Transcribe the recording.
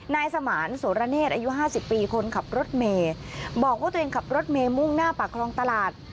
นายสมานโสระเนศอายุ๕๐ปีคนขับรถเมย์บอกว่าตัวเองขับรถเมย์มุ่งหน้าปากคลองตลาด